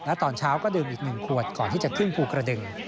และตอนเช้าก็ดื่มอีก๑ขวดก่อนที่จะขึ้นภูกระดึง